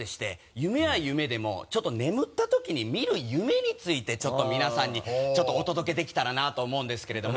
夢は夢でもちょっと眠ったときに見る夢についてちょっと皆さんにお届けできたらなと思うんですけれども。